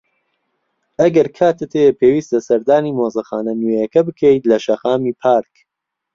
ئەگەر کاتت هەیە، پێویستە سەردانی مۆزەخانە نوێیەکە بکەیت لە شەقامی پارک.